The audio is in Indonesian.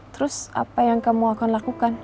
terus apa yang kamu akan lakukan